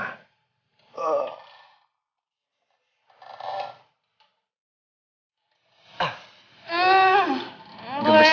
sini saya pengen sama mama